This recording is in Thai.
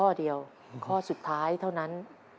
ข้อเดียวข้อสุดท้ายเท่านั้น